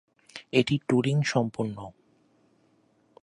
এটি টুরিং-সম্পূর্ণ।